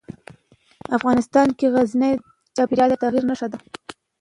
افغانستان کې غزني د چاپېریال د تغیر نښه ده.